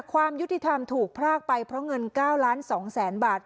ความยุทธิธรรมถูกพรากไปเพราะเงิน๙๒๐๐๐๐๐บาท